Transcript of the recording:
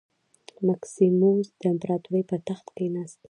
مکسیموس د امپراتورۍ پر تخت کېناست